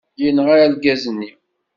Yenɣa argaz-nni.